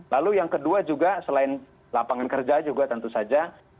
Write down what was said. lalu yang kedua juga selain lapangan kerja juga tentu saja